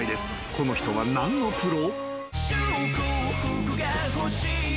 この人は何のプロ？